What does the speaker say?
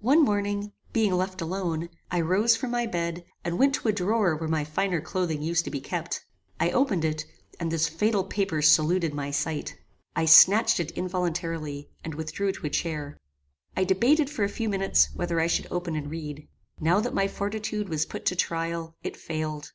One morning, being left alone, I rose from my bed, and went to a drawer where my finer clothing used to be kept. I opened it, and this fatal paper saluted my sight. I snatched it involuntarily, and withdrew to a chair. I debated, for a few minutes, whether I should open and read. Now that my fortitude was put to trial, it failed.